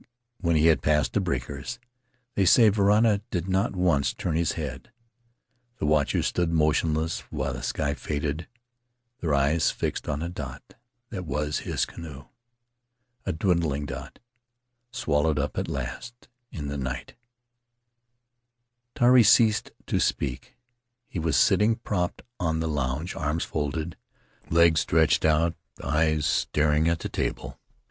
When he had passed the breakers — they say — Varana did not once turn his head; the watchers stood motionless while the sky faded, their eyes fixed on the dot that was his canoe — a dwindling dot, swallowed up at last in the night/' Tari ceased to speak. He was sitting propped on the lounge, arms folded, legs stretched out, eyes staring at the table.